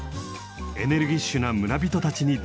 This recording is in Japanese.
エネルギッシュな村人たちに出会います。